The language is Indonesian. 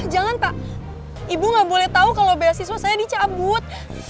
jangan pak ibu nggak boleh tahu kalau beasiswa saya dicabut